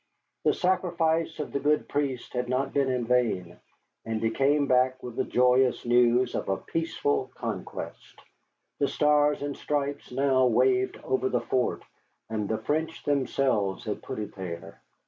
The sacrifice of the good priest had not been in vain, and he came back with the joyous news of a peaceful conquest. The stars and stripes now waved over the fort, and the French themselves had put it there.